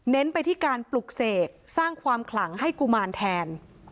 ไปที่การปลุกเสกสร้างความขลังให้กุมารแทน